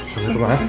sampai ketemu ya